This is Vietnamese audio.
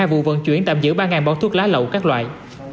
hai vụ vận chuyển tạm giữ ba bón thuốc lá lậu các loại